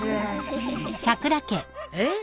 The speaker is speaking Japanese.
えっ？